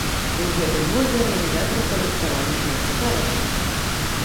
І ў гэтым годзе арганізатары падрыхтавалі шмат цікавага.